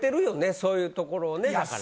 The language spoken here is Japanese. そういうところをねだから。